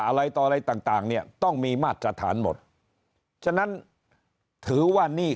อะไรต่ออะไรต่างต่างเนี่ยต้องมีมาตรฐานหมดฉะนั้นถือว่าหนี้